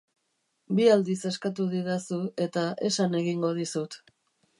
Bi aldiz eskatu didazu, eta esan egingo dizut.